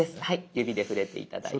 指で触れて頂いて。